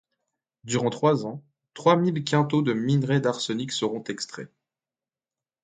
Durant trois ans, trois mille quintaux de minerais d’arsenic seront extraits.